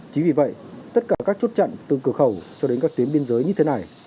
chính vì vậy tất cả các chốt chặn từ cửa khẩu cho đến các tuyến biên giới như thế này